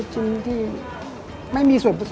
ใช่